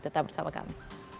tetap bersama kami